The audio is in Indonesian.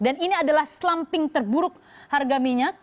dan ini adalah slumping terburuk harga minyak